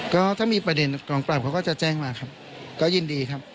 ก็ถ้ามีประเด็นกองปราบเขาก็จะแจ้งมาครับก็ยินดีครับ